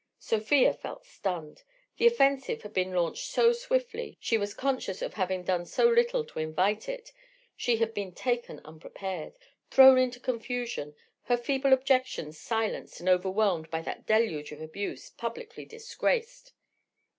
Sofia felt stunned. The offensive had been launched so swiftly, she was conscious of having done so little to invite it, she had been taken unprepared, thrown into confusion, her feeble objections silenced and overwhelmed by that deluge of abuse, publicly disgraced....